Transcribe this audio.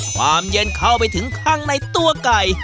ความเย็นเข้าไปถึงข้างในตัวไก่